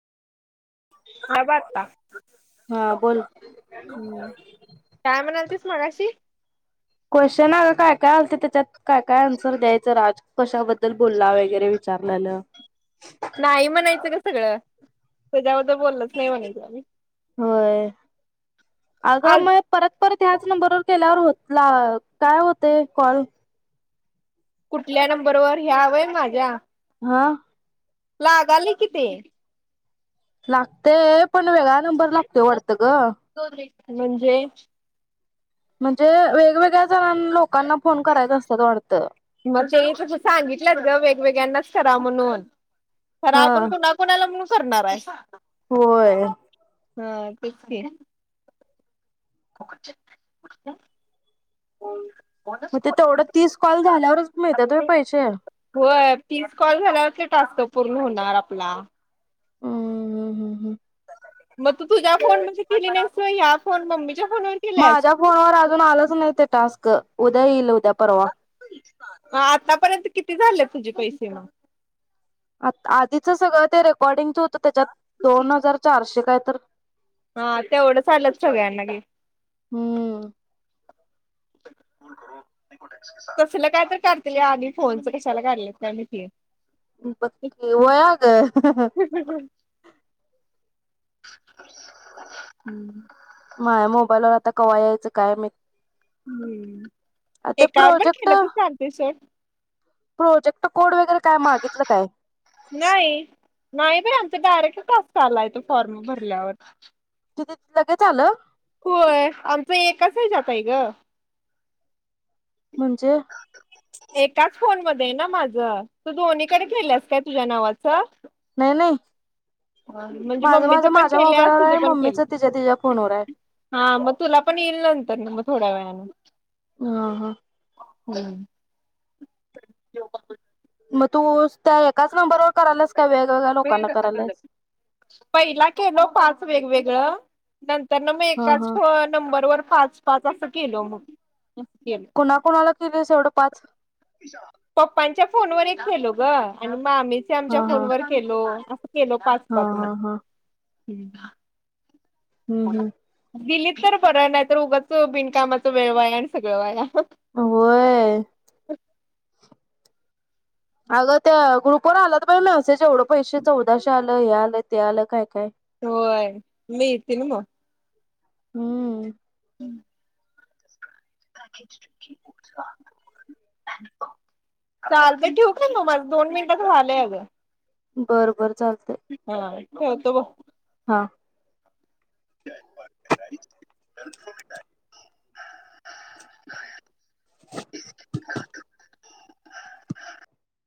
हा ब आता हा बोल काय म्हणालतीस मगाशी? क्वेशन आला काय काय हालते त्याच्यात? काय-काय आन्सर द्यायचं राज कशाबद्दल बोलला वगैरे विचारल्याला नाही म्हणायचं ग सगळं त्याच्यावर होय अगं आल म परत-परत ह्याच नंबरवर केल्यावर होत लाव काय होते कॉल कुठल्या नंबरवरर ह्या वंय माझा हां. लागाले किती लागतेय पण वेगळा नंबर लागतोय वाढतं ग. म्हणजे म्हणजे वे वेगवेगळ्या जणां लोकांना फोन करायचा असचं वाटतय. मग ते तसं सांगितलंच ग वेगवेगळ्यांनाच करा म्हणून खरा आपण कोणा-कोणाला मुस करणार आहे. होय. हा तेच की [inaudible] मग ते तेवढं तीस कॉल झाल्यावरच मिळतात होय पैसे होय तीच कॉल झाल्यावरती टासतो पूर्ण होणार आपला. हम्म हम्म हम्म. मग तू तुझ्या फोन म्हणजे केली नाहीस सो या फोन मम्मी माझ्या फोनवर अजून आलंच नाही स् उदल उद पररवा ह आतापर्यंत किती झाले तुझे पैसे मग आधीचं सगळं ते र पडिंगच होतं त्याच्यात दोन हजार चारशे काय तर हा तेवढं चालंच ठवयाना क हम्म तसला काय तर काढतील या आधी फोनच कशाला काढलेत त्या म त पकी वया ग हम् माय मोबाईलवर आता कवा्हा यायचं काय मी हम्म ते एकावर बण प्रोजेक्ट खेळतच आमचे सोण प्रोजेक्ट कोड वगैरे काय मागितलं काय नाही नाही बर आम ारेक्ट तास चालायो फॉर्म भरल्यावर तिथ त लगेच आलं होय आमचं एकच आहे जातय ग म्हणजे एकाच फोन मध्ये ना माझ तू दोन्हीकडे गेल्यास काय तुझ्या नावाचं नाही नाही म्हणजे माझं मम्मीच माझं पण माझ्या केलं मोबाईलवर आहे तुझ पण मम्मीच केलं तिच्या तिच्या फोनवर आहे हा मग तुला पण येईल नंतर ना मग थोड्या व्यान ह हा हम् मग तो लोकांना करायलास पहिला केलं पाच वेगवेगळं नंत तर मग हा एकाच हा नंबरवर पाच पाच असं केल मग मले त दिवस एवढं पाच पप्पांच्या फोनवररच केलो ग आणि म आम्हीच आमच्या हा हा फोन वर केलो अस केलो पाच हा पाच म हा हा ठी हम्म हम्म दिलीप तरर बरं नाही तर उगाच बिनकामाचं वेळ वाया आणि सगळं वया होय अगं त्या ग्रुपवर आला तर बाई मी असे एवढं पैसे चौदाशे आलं हे आलं ते आलं काय काय होय मी येते ना मग हम्म चाल तर ठेऊ के तो मग दोन मिनटात झालंय अगं बर बर चाल हो तो ब हा [inaudible] [inaudible] [inaudible]